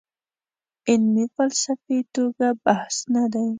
علمي فلسفي توګه بحث نه دی.